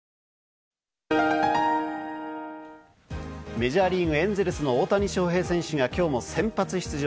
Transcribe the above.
メジャーリーグエンゼルスの大谷翔平選手がきょうも先発出場。